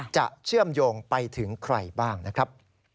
เชื่อมโยงไปถึงใครบ้างนะครับ